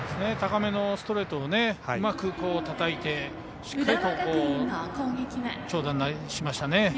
高めのストレートをうまくたたいてしっかり、長打にしましたね。